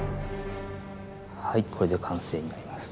はいこれで完成になります。